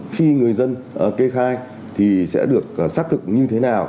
khi người dân kê khai thì sẽ được xác thực như thế nào